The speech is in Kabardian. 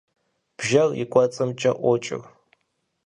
Бжэр и кӏуэцӏымкӏэ ӏуокӏыр.